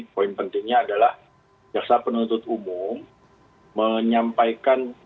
poin pentingnya adalah jaksa penuntut umum menyampaikan